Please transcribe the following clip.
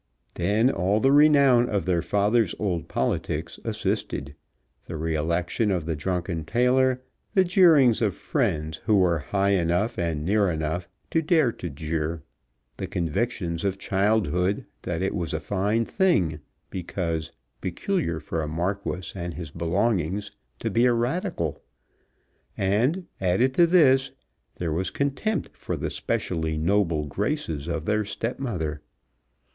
Then all the renown of their father's old politics assisted, the re election of the drunken tailor, the jeerings of friends who were high enough and near enough to dare to jeer, the convictions of childhood that it was a fine thing, because peculiar for a Marquis and his belongings, to be Radical; and, added to this, there was contempt for the specially noble graces of their stepmother.